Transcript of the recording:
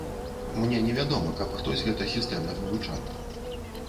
Мне невядома, каб хтось гэта сістэмна вывучаў.